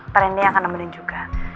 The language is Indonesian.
pak rendy akan nemenin juga